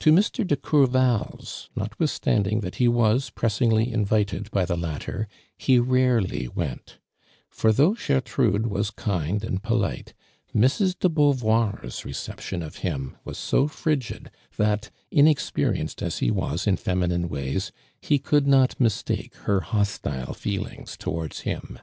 To Mr. de Courval's, notwithtiUmiiiug that he was pressingly invited by the latter, ho rarely went, for though Gertrude was kind and polite, Mrs. de Beauvoir's rect ption of him was so frigid that, inexperiejiced as he was in feminine ways, he could not mistake her hostile feelings towards him.